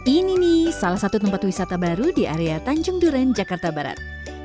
ini nih salah satu tempat wisata baru di area tanjung duren jakarta barat